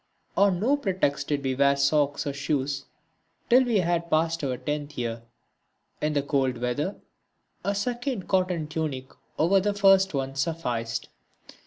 On no pretext did we wear socks or shoes till we had passed our tenth year. In the cold weather a second cotton tunic over the first one sufficed.